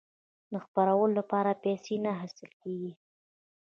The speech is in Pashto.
د خپرولو لپاره پیسې نه اخیستل کیږي.